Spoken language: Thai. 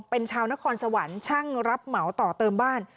เป็นชาวนฆ่อนสวรรค์ช่างรับเติมบ้าน